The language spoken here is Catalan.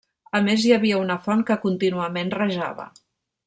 A més hi havia una font que contínuament rajava.